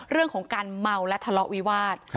เรื่องของการเมาและทะเลาะวิวาส